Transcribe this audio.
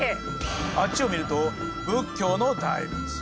あっちを見ると仏教の大仏。